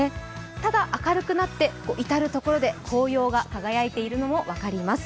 ただ、明るくなって、至る所で紅葉が輝いているのも分かります。